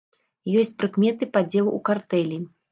Ёсць прыкметы падзелу ў картэлі.